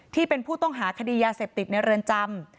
ที่เป็นผู้ต้องหาคดียาเสพติดในเรือนจำ